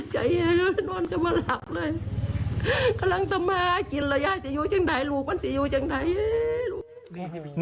ใจแหละนอนกลับมาหลับเลยกำลังจะมากินแล้วยายจะอยู่จังไหนลูกมันจะอยู่จังไหน